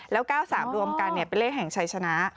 แล้ว๙๓รวมกันเนี่ยแห่งใช้ชนะ